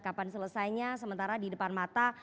kapan selesainya sementara di depan mata